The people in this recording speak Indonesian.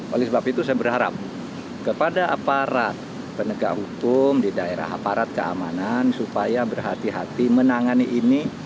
oleh sebab itu saya berharap kepada aparat penegak hukum di daerah aparat keamanan supaya berhati hati menangani ini